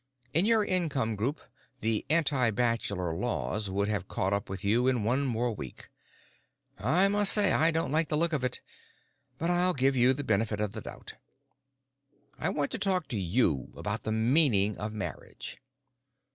In your income group the antibachelor laws would have caught up with you in one more week. I must say I don't like the look of it, but I'll give you the benefit of the doubt. I want to talk to you about the meaning of marriage.